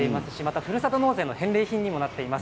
ふるさと納税の返礼品になっています。